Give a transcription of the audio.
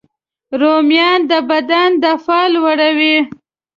رومیان د بدن دفاع لوړوي